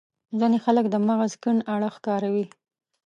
ځينې خلک د مغز کڼ اړخ کاروي.